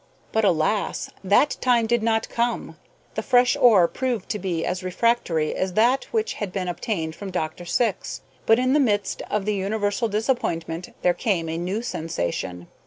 But, alas! that time did not come. The fresh ore proved to be as refractory as that which had been obtained from Dr. Syx. But in the midst of the universal disappointment there came a new sensation.